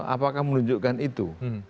apakah menunjukkan itu